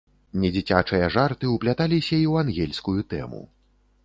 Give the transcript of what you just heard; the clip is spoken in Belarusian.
Недзіцячыя жарты ўпляталіся і ў анёльскую тэму.